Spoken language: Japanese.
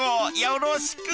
よろしく。